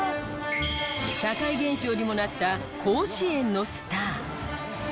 社会現象にもなった甲子園のスター。